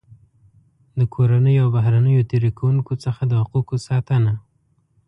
د کورنیو او بهرنیو تېري کوونکو څخه د حقوقو ساتنه.